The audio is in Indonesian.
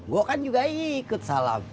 gue kan juga ikut salam